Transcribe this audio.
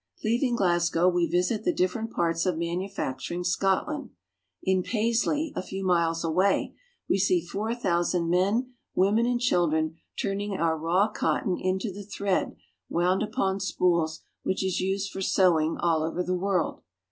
Leaving Glasgow, we visit the different parts of manu facturing Scotland. In Paisley, a few miles away, we see four thousand men, women, and children turning our raw cotton into the thread wound upon spools which is used for sewing all over the world.